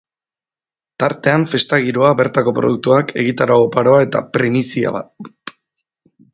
Tartean, festa giroa, bertako produktuak, egitarau oparoa eta primizia bat.